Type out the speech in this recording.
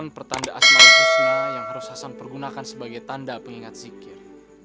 sembilan puluh sembilan pertanda asmaris husna yang harus hasan pergunakan sebagai tanda pengingat zikir